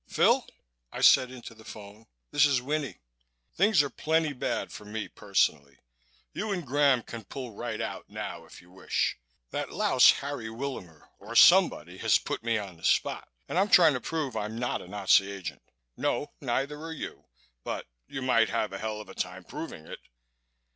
"Phil," I said into the phone. "This is Winnie. Things are plenty bad for me personally. You and Graham can pull right out now if you wish. That louse Harry Willamer or somebody has put me on the spot and I'm trying to prove I'm not a Nazi agent.... No, neither are you, but you might have a hell of a time proving it.